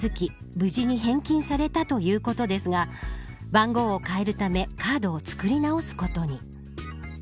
無事に返金されたということですが番号を変えるためカードも作り直すことに。